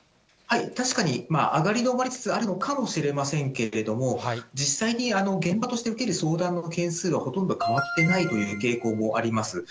確かに上がり止まりつつあるのかもしれませんけれども、実際に現場として受ける相談の件数は、ほとんど変わっていないという傾向もあります。